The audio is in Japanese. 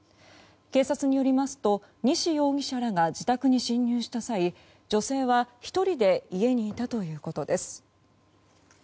警察によりますと西容疑者らが自宅に侵入した際、女性は１人で家にいたということです。